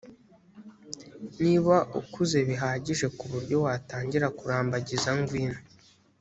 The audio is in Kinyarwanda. niba ukuze bihagije ku buryo watangira kurambagiza ngwino